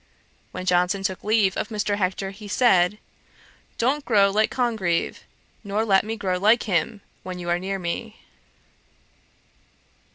When Johnson took leave of Mr. Hector, he said, 'Don't grow like Congreve; nor let me grow like him, when you are near me.'